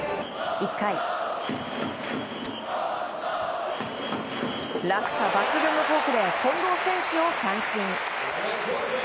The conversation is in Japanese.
１回、落差抜群のフォークで近藤選手を三振。